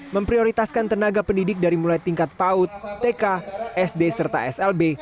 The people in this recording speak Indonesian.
memprioritaskan tenaga pendidik dari mulai tingkat paut tk sd serta slb